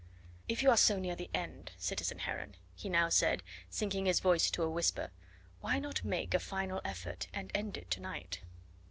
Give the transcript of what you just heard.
"If you are so near the end, citizen Heron," he now said, sinking his voice to a whisper, "why not make a final effort and end it to night?"